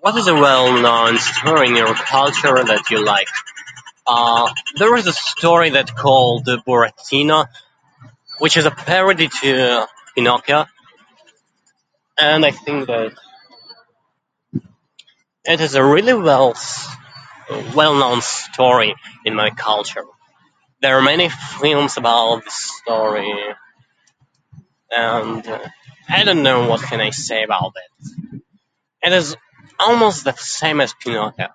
"What is a well-known story in your culture that you like? Uh, there is a story that called ""The Buratino"" which is a parody to Pinocchio. And I think that it is a really well st- well-known story in my culture. There are many films about story. And, I dunno, what can I say about that? It is almost the same as Pinocchio."